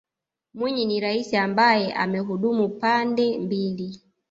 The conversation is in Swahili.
mwinyi ni raisi ambaye amehudumu pande mbili